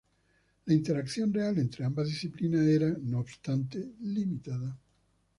La interacción real entre ambas disciplinas era, no obstante, limitada.